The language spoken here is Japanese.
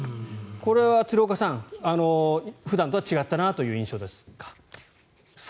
これは鶴岡さん、普段とは違ったなという印象ですか？